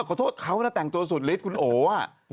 ขอโทษเขานะแต่งตัวสุดฤทธิคุณโออ่ะ